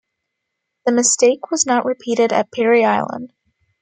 The mistake was not repeated at Parry Island.